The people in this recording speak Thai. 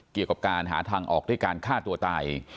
เกี่ยวกับการหาทางออกด้วยการฆ่าตัวตาย